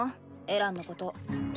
エランのこと。